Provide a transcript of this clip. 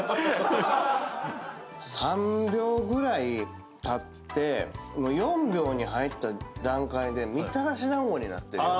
３秒ぐらいたって４秒に入った段階でみたらし団子になってるよね。